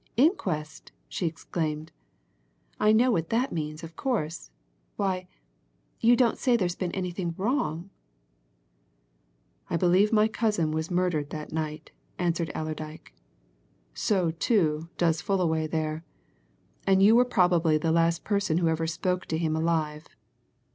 "Inquest!" she exclaimed. "I know what that means, of course. Why you don't say there's been anything wrong?" "I believe my cousin was murdered that night," answered Allerdyke. "So, too, does Fullaway there. And you were probably the last person who ever spoke to him alive.